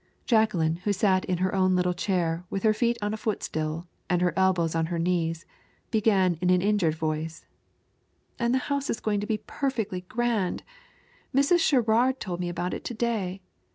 Jacqueline, who sat in her own little chair, with her feet on a footstool, and her elbows on her knees, began in an injured voice: "And the house is going to be perfectly grand. Mrs. Sherrard told me about it to day.